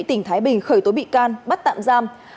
tỉnh thái bình khởi tố bị can bắt tạm giam